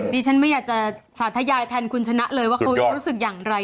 ดิฉันไม่อยากจะสาธยายแทนคุณชนะเลยว่าเขาจะรู้สึกอย่างไร